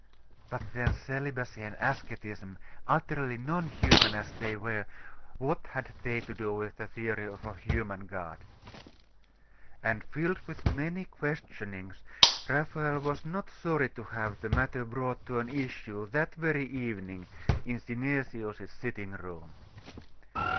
But then, celibacy and asceticism, utterly non human as they were, what had they to do with the theory of a human God? And filled with many questionings, Raphael was not sorry to have the matter brought to an issue that very evening in Synesius's sitting room.